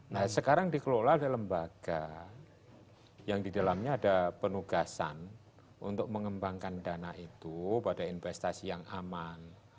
nah sekarang dikelola oleh lembaga yang didalamnya ada penugasan untuk mengembangkan dana itu pada investasi yang aman